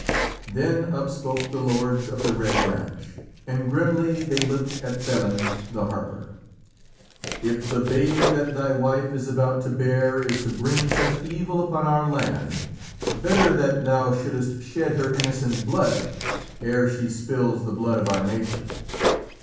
Then up spoke the lords of the Red Branch, and grimly they looked at Felim the Harper: "If the babe that thy wife is about to bear is to bring such evil upon our land, better that thou shouldst shed her innocent blood ere she spills the blood of our nation."